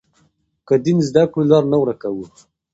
که دین زده کړو نو لار نه ورکوو.